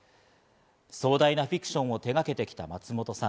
壮大なフィクションを手がけてきた松本さん。